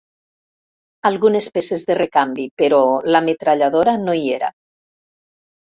Algunes peces de recanvi, però la metralladora no hi era.